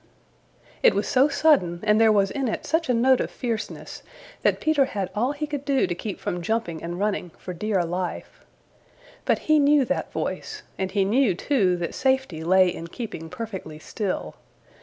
It was so sudden and there was in it such a note of fierceness that Peter had all he could do to keep from jumping and running for dear life. But he knew that voice and he knew, too, that safety lay in keeping perfectly still.